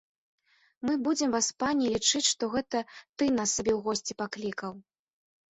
Мы будзем, васпане, лічыць, што гэта ты нас сабе ў госці паклікаў.